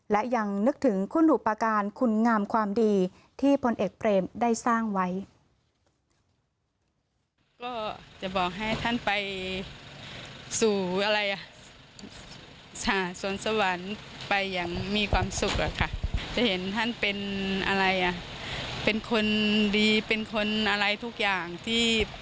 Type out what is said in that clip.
และยังนึกถึงคุณหุปการคุณงามความดีที่พลเอกเปรมได้สร้างไว้